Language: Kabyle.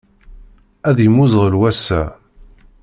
Ad yemmuẓɣel wass-a.